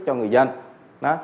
cho người dân